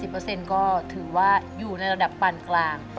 ๘๐เปอร์เซ็นต์ก็ถือว่าอยู่ในระดับปันกลาง